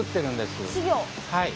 はい。